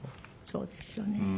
そうですよね。